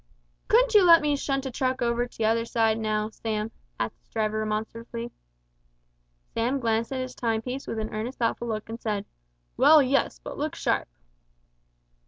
"Couldn't you let me shunt over a truck t'other side now, Sam?" asked its driver remonstratively. Sam glanced at his time piece with an earnest thoughtful look, and said "Well, yes; but look sharp."